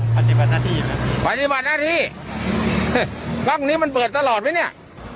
ปฏิบัติหน้าที่นะปฏิบัติหน้าที่พักนี้มันเปิดตลอดไหมเนี่ย